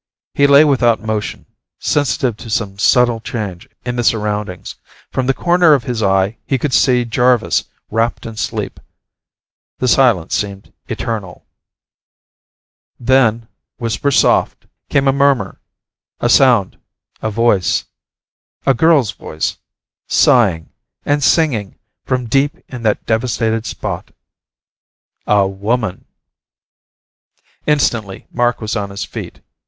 He lay without motion, sensitive to some subtle change in the surroundings. From the corner of his eye he could see Jarvis wrapped in sleep. The silence seemed eternal. Then, whisper soft, came a murmur, a sound, a voice. A girl's voice, sighing and singing, from deep in that devastated spot. A woman! Instantly, Mark was on his feet.